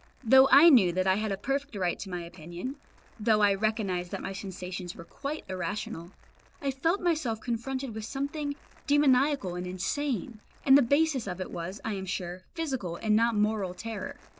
Though I knew that I had a perfect right to my opinion, though I recognised that my sensations were quite irrational, I felt myself confronted with something demoniacal and insane, and the basis of it was, I am sure, physical and not moral terror.